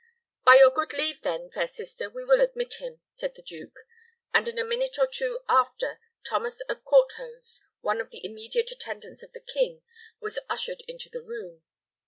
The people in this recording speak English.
"By your good leave, then, fair sister, we will admit him," said the duke; and in a minute or two after Thomas of Courthose, one of the immediate attendants of the king, was ushered into the room.